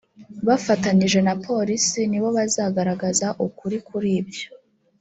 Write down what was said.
bafatanyije na polisi nibo bazagaragaza ukuri kuri byo